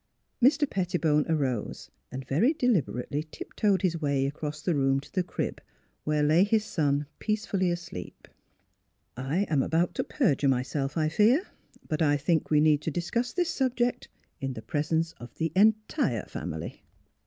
Mr. Pettibone arose and very deliberately tip toed his way across the room to the crib, where lay his son peacefully asleep. " I am about to perjure myself, I fear, but I think we need to discuss this subject in the pres ence of the entire family."